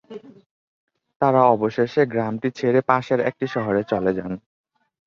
তারা অবশেষে গ্রামটি ছেড়ে পাশের একটি শহরে চলে যান।